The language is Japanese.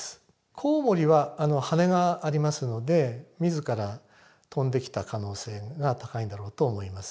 コウモリは羽がありますので自ら飛んできた可能性が高いんだろうと思います。